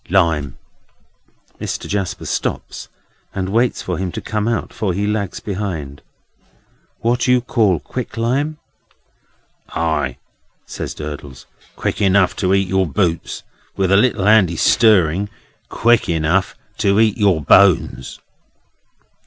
"Lime." Mr. Jasper stops, and waits for him to come up, for he lags behind. "What you call quick lime?" "Ay!" says Durdles; "quick enough to eat your boots. With a little handy stirring, quick enough to eat your bones."